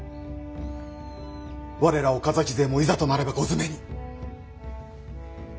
我ら岡崎勢もいざとなれば後詰めに。